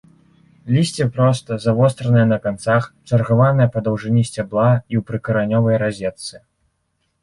Лісце простае, завостранае на канцах, чаргаванае па даўжыні сцябла і ў прыкаранёвай разетцы.